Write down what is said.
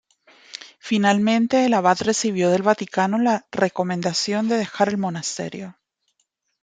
Finalmente el abad recibió del Vaticano la "recomendación" de dejar el monasterio.